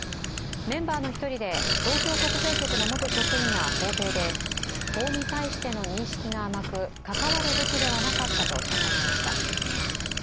メンバーの１人で東京国税局の元職員が法廷で、法に対しての認識が甘く関わるべきではなかったと謝罪しました。